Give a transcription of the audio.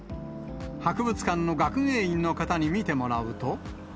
博物館の学芸員の方に見てもらうと。